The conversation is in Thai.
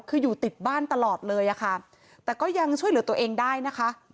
คืออยู่ติดบ้านตลอดเลยอะค่ะแต่ก็ยังช่วยเหลือตัวเองได้นะคะ